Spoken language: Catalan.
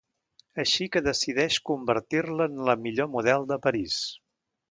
Així que decideix convertir-la en la millor model de París.